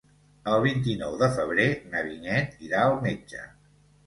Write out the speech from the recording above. El vint-i-nou de febrer na Vinyet irà al metge.